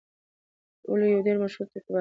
وَلُو يو ډير مشهور ټوکپار تير شوی